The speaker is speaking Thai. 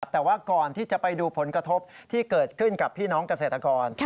แต่ว่าก่อนที่จะไปดูผลกระทบที่เกิดขึ้นกับพี่น้องเกษตรกร